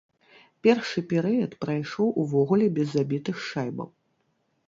Першы перыяд прайшоў увогуле без забітых шайбаў.